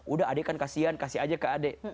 udah adik kan kasihan kasih aja ke adik